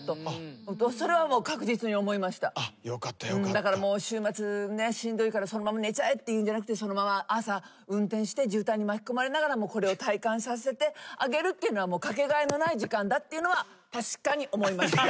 だからもう週末ねしんどいからそのまま寝ちゃえっていうんじゃなくてそのまま朝運転して渋滞に巻き込まれながらもこれを体感させてあげるっていうのはかけがえのない時間だっていうのは確かに思いました。